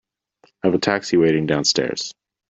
I have a taxi waiting downstairs.